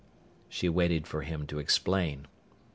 She waited for him to explain.